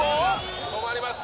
止まります。